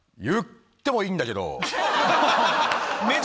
言ってもいいんだけど。